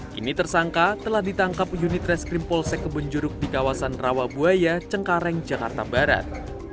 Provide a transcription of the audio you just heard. kini tersangka telah ditangkap unit reskrim polsek kebonjuruk di kawasan rawabuaya cengkareng jakarta barat